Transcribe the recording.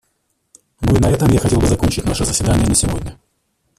Ну и на этом я хотел бы закончить наше заседание на сегодня.